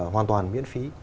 hoàn toàn miễn phí